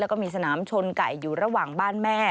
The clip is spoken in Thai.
แล้วก็มีสนามชนไก่อยู่ระหว่างบ้านแม่